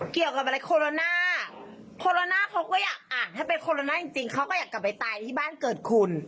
เกี่ยวกับอะไรโคโรนาโคโรน่าเขาก็อยากอ่านถ้าเป็นโคโรน่าจริงเขาก็อยากกลับไปตายที่บ้านเกิดคุณ